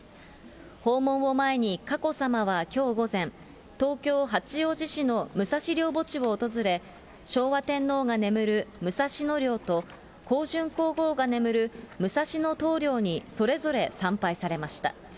訪問を前に佳子さまはきょう午前、東京・八王子市の武蔵陵墓地を訪れ、昭和天皇が眠る武蔵野陵と、香淳皇后が眠る武蔵野東陵にそれぞれ参拝されました。